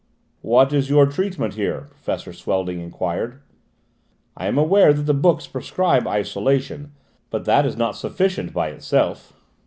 "What is your treatment here?" Professor Swelding enquired. "I am aware that the books prescribe isolation, but that is not sufficient by itself."